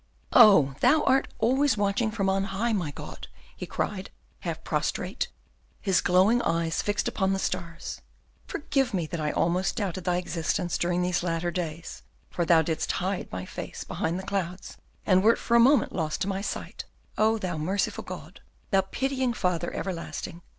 "Oh Thou art always watching from on high, my God," he cried, half prostrate, his glowing eyes fixed upon the stars: "forgive me that I almost doubted Thy existence during these latter days, for Thou didst hide Thy face behind the clouds, and wert for a moment lost to my sight, O Thou merciful God, Thou pitying Father everlasting!